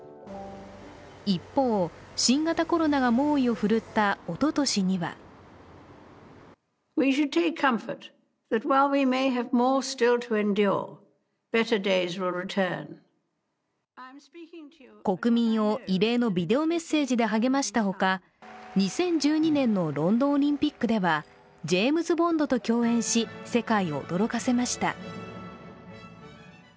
一方、新型コロナが猛威を振るったおととしには国民を異例のビデオメッセージで励ましたほか、２０１２年のロンドンオリンピックではジェームズ・ボンドと共演し、世界を驚かせました。